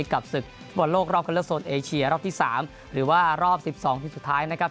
กับศึกฟุตบอลโลกรอบคันเลือกโซนเอเชียรอบที่๓หรือว่ารอบ๑๒ทีมสุดท้ายนะครับ